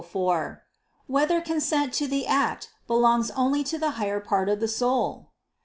4] Whether Consent to the Act Belongs Only to the Higher Part of the Soul?